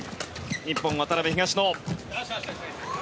日本、渡辺、東野。